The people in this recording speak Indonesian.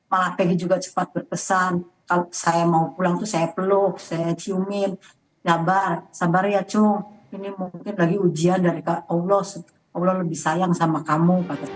allah lebih sayang sama kamu